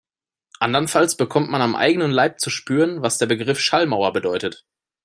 Andernfalls bekommt man am eigenen Leib zu spüren, was der Begriff Schallmauer bedeutet.